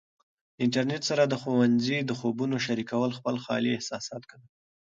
د انټرنیټ سره د ښوونځي د خوبونو شریکول خپل خالي احساسات کموي.